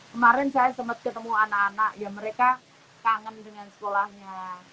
kemarin saya sempat ketemu anak anak ya mereka kangen dengan sekolahnya